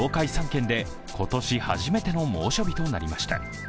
３県で今年初めての猛暑日となりました。